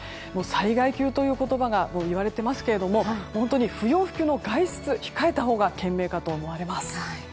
災害級という言葉が言われていますけども本当に不要不急の外出は控えたほうが賢明かと思われます。